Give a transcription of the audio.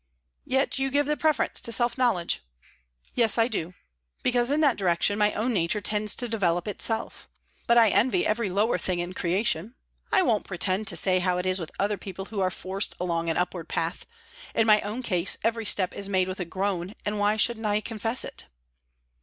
"Yet you give the preference to self knowledge." "Yes, I do. Because in that direction my own nature tends to develop itself. But I envy every lower thing in creation. I won't pretend to say how it is with other people who are forced along an upward path; in my own case every step is made with a groan, and why shouldn't I confess it?"